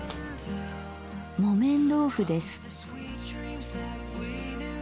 木綿豆腐です。